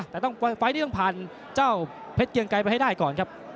แต่ต้องไฟล์นี้ต้องผ่านเจ้าเพชรเกียงไกรไปให้ได้ก่อนครับ